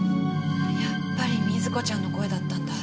やっぱり瑞子ちゃんの声だったんだ。